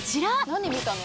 何見たの？